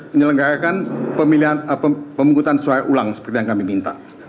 menyelenggarakan pemungkutan suara ulang seperti yang kami minta